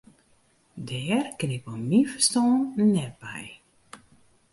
Dêr kin ik mei myn ferstân net by.